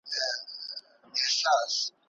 خپل تاریخ ته پام وکړئ.